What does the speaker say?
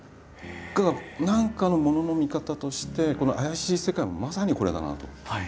何かのものの見方としてこの怪しい世界もまさにこれだなと。